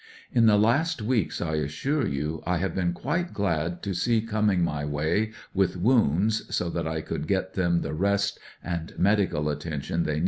" In the last week, I assure you, I have been quite glad to see coming my way with wounds (so that I could get them the rest and medical attention they WHAT EVERY M.